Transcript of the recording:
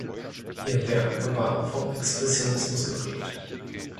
Ihr Werk war vom Expressionismus geprägt.